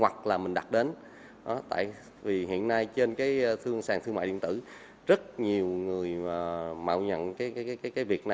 hoặc là mình đặt đến vì hiện nay trên cái sàn thương mại điện tử rất nhiều người mà mạo nhận cái việc